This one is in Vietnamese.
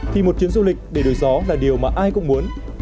thì một chuyến du lịch để đổi gió là điều mà ai cũng muốn